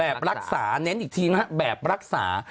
แบบรักษาเน้นอีกทีนะฮะแบบรักษา